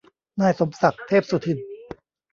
นายสมศักดิ์ เทพสุทิน